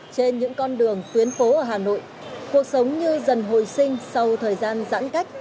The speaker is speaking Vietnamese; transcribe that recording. trên những con đường tuyến phố ở hà nội cuộc sống như dần hồi sinh sau thời gian giãn cách